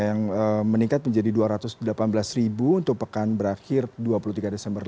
yang meningkat menjadi dua ratus delapan belas ribu untuk pekan berakhir dua puluh tiga desember